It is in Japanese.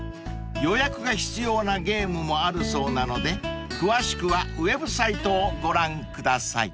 ［予約が必要なゲームもあるそうなので詳しくはウェブサイトをご覧ください］